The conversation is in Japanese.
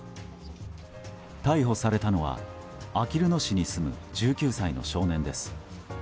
逮捕されたのはあきる野市に住む１９歳の少年です。